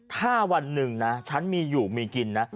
ถ้าวันหนึ่งนะฉันมีอยู่มีกินนะ